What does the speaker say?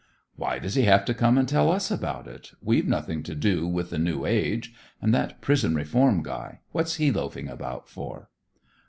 "Why does he have to come and tell us about it? We've nothing to do with 'The New Age.' And that prison reform guy, what's he loafing about for?"